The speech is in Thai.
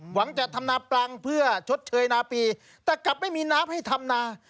หวังจะทำนาปลังเพื่อชดเชยนาปีแต่กลับไม่มีน้ำให้ทำนา